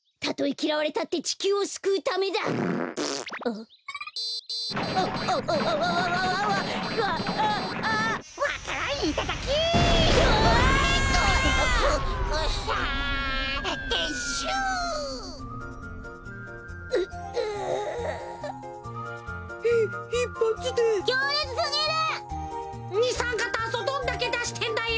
きょうれつすぎる！にさんかたんそどんだけだしてんだよ！